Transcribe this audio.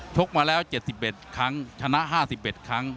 กมาแล้ว๗๑ครั้งชนะ๕๑ครั้ง